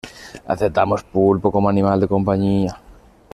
Aceptamos pulpo como animal de compañía